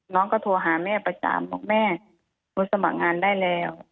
น้องก็โทรหาแม่ประจำบอกแม่กูสมัครงานได้แล้ว